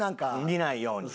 見ないように？